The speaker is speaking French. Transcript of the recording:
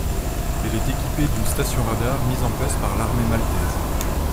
Elle est équipée d'une station radar mise en place par l'armée maltaise.